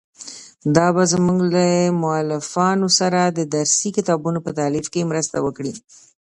دا به زموږ له مؤلفانو سره د درسي کتابونو په تالیف کې مرسته وکړي.